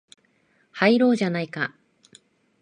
入ろうじゃないか